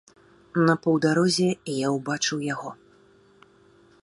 На паўдарозе я ўбачыў яго.